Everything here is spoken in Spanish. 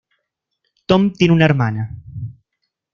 Tom tiene una hermana.